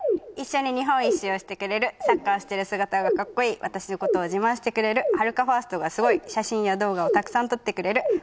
「一緒に日本一周をしてくれるサッカーしてる姿がかっこいい」「私のことを自慢してくれるはるかファーストがすごい」「写真や動画をたくさん撮ってくれる」